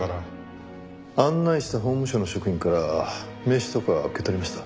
案内した法務省の職員から名刺とか受け取りました？